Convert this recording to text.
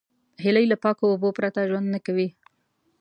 هیلۍ له پاکو اوبو پرته ژوند نه کوي